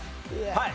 はい。